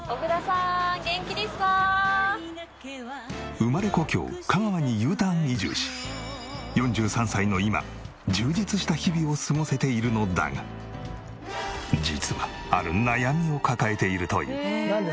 生まれ故郷香川にＵターン移住し４３歳の今充実した日々を過ごせているのだが実はある悩みを抱えているという。